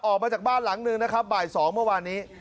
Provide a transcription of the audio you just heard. ออกมาจากบ้านหลังหนึ่งนะครับบ่าย๒เมื่อวานนี้